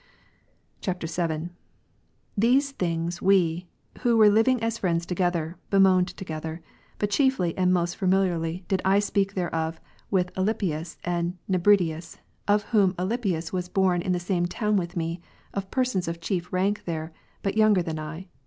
[VII.] 11. These things we, who were living as friends together, bemoaned together, but chiefly and most familiarly did I speak thereof with Alypius and Nebridius, of whom Alypius was born in the same town with me, of persons of chief rank there, but younger than I.